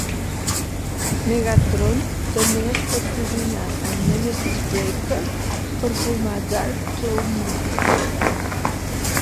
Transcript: Megatron també es pot fusionar amb Nemesis Breaker per formar Dark Claw Mode.